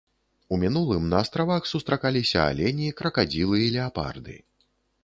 У мінулым на астравах сустракаліся алені, кракадзілы і леапарды.